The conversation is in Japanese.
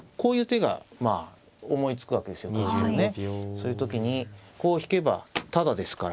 そういう時にこう引けばタダですから。